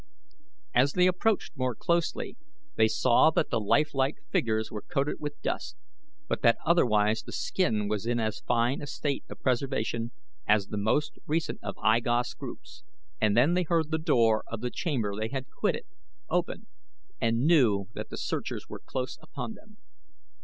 As they approached more closely they saw that the lifelike figures were coated with dust, but that otherwise the skin was in as fine a state of preservation as the most recent of I Gos' groups, and then they heard the door of the chamber they had quitted open and knew that the searchers were close upon them.